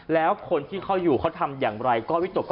แล้วคนที่เขาอยู่เขาทำอย่างไร